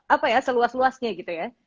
apa ya seluas luasnya gitu ya